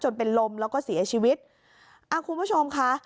เป็นลมแล้วก็เสียชีวิตอ่าคุณผู้ชมค่ะ